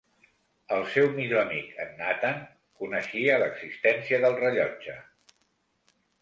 El seu millor amic, en Nathan, coneixia l'existència del rellotge.